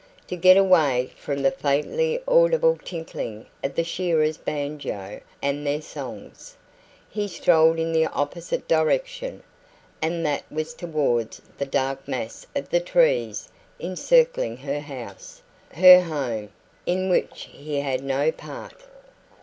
To get away from the faintly audible tinkling of the shearers' banjo and their songs, he strolled in the opposite direction, and that was towards the dark mass of the trees encircling her house her home, in which he had no part.